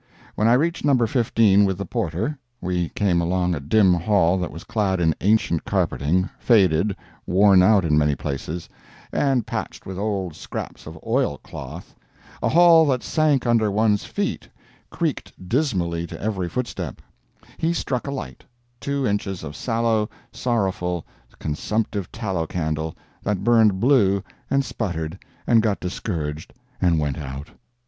When I reached No. 15 with the porter, (we came along a dim hall that was clad in ancient carpeting, faded, worn out in many places, and patched with old scraps of oil cloth—a hall that sank under one's feet, creaked dismally to every footstep,) he struck a light—two inches of sallow, sorrowful, consumptive tallow candle, that burned blue, and sputtered, and got discouraged and went out.